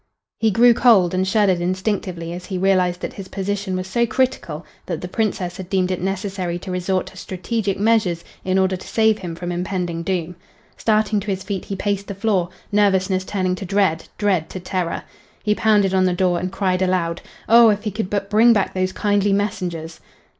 He grew cold and shuddered instinctively as he realized that his position was so critical that the princess had deemed it necessary to resort to strategic measures in order to save him from impending doom. Starting to his feet he paced the floor, nervousness turning to dread, dread to terror. He pounded on the door and cried aloud. Oh, if he could but bring back those kindly messengers!